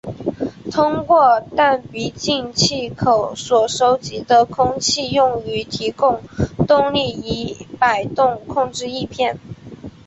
通过弹鼻进气口所收集的空气用于提供动力以摆动控制翼片。